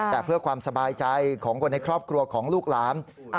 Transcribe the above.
แต่เพื่อความสบายใจของคนในครอบครัวของลูกหลาน